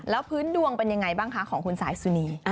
แล้วพื้นดวงเป็นยังไงบ้างคะของคุณสายสุนี